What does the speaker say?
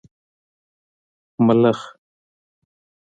🦗 ملخ